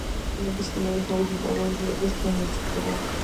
ნებისმიერ ჰორიზონტალურ ზედაპირს დონე ეწოდება.